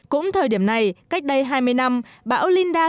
cũng thời điểm này cách đây hai mươi năm bão linh đăng